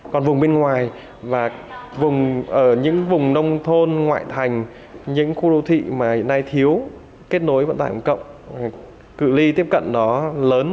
còn vùng bên ngoài và vùng ở những vùng nông thôn ngoại thành những khu đô thị mà hiện nay thiếu kết nối vận tải công cộng cự li tiếp cận đó lớn